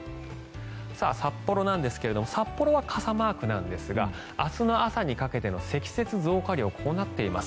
札幌なんですが札幌は傘マークなんですが明日の朝にかけての積雪増加量はこうなっています。